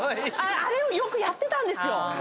あれをよくやってたんですよ。